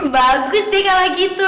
bagus deh kalo gitu